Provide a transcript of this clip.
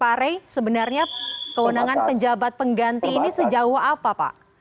pak rey sebenarnya kewenangan penjabat pengganti ini sejauh apa pak